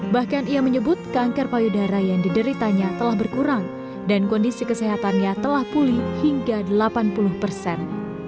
bahkan ia menyebut kanker payudara yang dideritanya telah berkurang dan kondisi kesehatannya telah pulih hingga delapan puluh persen